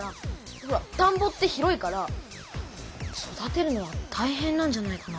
ほらたんぼって広いから育てるのはたいへんなんじゃないかな。